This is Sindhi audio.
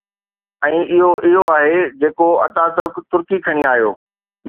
۽ اھو اھو آھي جيڪو اتا ترڪ ترڪي کڻي آيو.